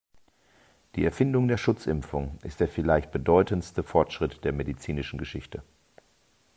Die Erfindung der Schutzimpfung ist der vielleicht bedeutendste Fortschritt der medizinischen Geschichte.